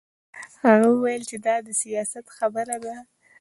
هغه وویل چې دا د سیاست خبره ده